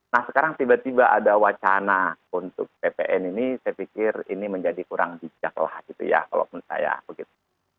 nah sekarang tiba tiba ada wacana untuk ppn ini saya pikir ini menjadi kurang bijak lah gitu ya kalau menurut saya begitu